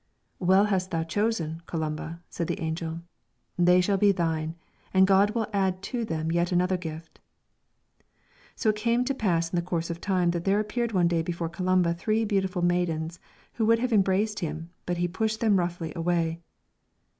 "Well hast thou chosen, Columba," said the angel, "they shall be thine, and God will add to them yet another gift." So it came to pass in the course of time that there appeared one day before Columba three beautiful maidens, who would have embraced him, but he pushed them roughly away.